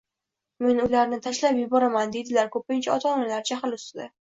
men ularni tashlab yuboraman” – deydilar ko‘pincha ota-onalar jahl ustida.